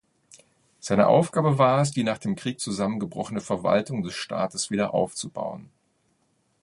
Seine Aufgabe war es, die nach dem Krieg zusammengebrochene Verwaltung des Staates wieder aufzubauen.